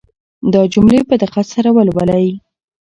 دا جملې په دقت سره ولولئ.